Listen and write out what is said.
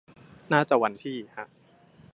น่าจะวันที่ ฮะ